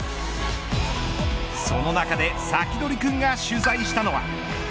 その中でサキドリくんが取材したのは。